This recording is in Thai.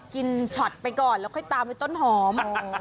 ช็อตไปก่อนแล้วค่อยตามไปต้นหอม